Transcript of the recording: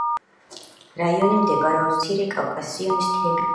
რაიონი მდებარეობს მცირე კავკასიონის მთების სამხრეთით.